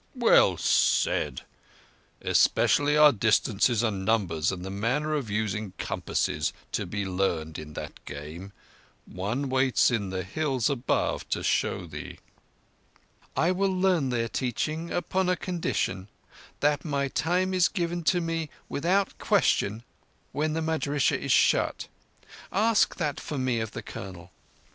"Well said. Especially are distances and numbers and the manner of using compasses to be learned in that game. One waits in the Hills above to show thee." "I will learn their teaching upon a condition—that my time is given to me without question when the madrissah is shut. Ask that for me of the Colonel."